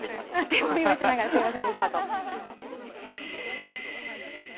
手もみをしながら「すみませんでした」と。